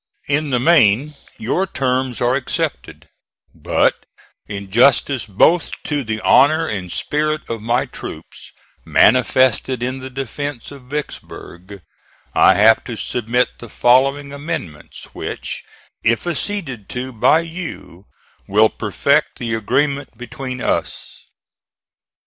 In the main your terms are accepted; but, in justice both to the honor and spirit of my troops manifested in the defence of Vicksburg, I have to submit the following amendments, which, if acceded to by you, will perfect the agreement between us.